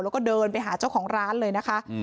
แล้วก็เดินไปหาเจ้าของร้านเลยนะคะ